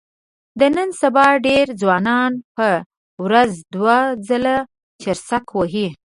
د نن سبا ډېری ځوانان په ورځ دوه ځله چرسک وهي.